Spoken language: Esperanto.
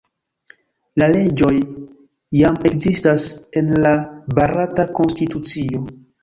La leĝoj jam ekzistas en la barata konstitucio.